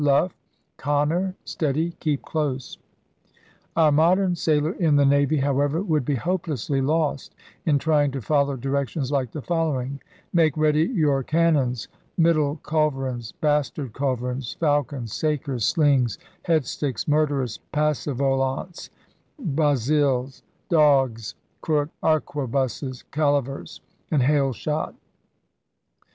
Luff! Conker! Steady! Keep close! Our modern sailor in the navy, how ever, would be hopelessly lost in trying to follow di rections like the ioWowing: Make ready your cannons, middle culverins, bastard culverins, falcons, sakers, slings, headsticJcs, murderers, passevolants, bazzils, dogges, crook arquebusses, calivers, and hail shot!